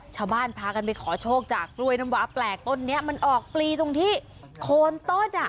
ชาวบ้านพากันไปขอโชคจากกล้วยน้ำว้าแปลกต้นนี้มันออกปลีตรงที่โคนต้นอ่ะ